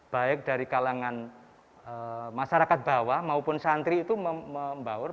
baik dari kalangan masyarakat bawah maupun santri itu membaur